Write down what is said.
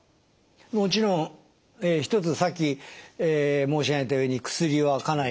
もちろん一つさっき申し上げたように薬はかなりの効果があります。